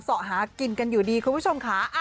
สอบหากินกันอยู่ดีคุณผู้ชมค่ะ